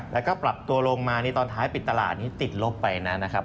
แล้วก็ปรับตัวลงมานี่ตอนท้ายปิดตลาดนี้ติดลบไปนะครับ